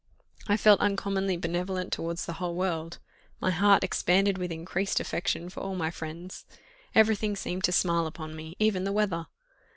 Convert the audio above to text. I felt uncommonly benevolent towards the whole world; my heart expanded with increased affection for all my friends every thing seemed to smile upon me even the weather.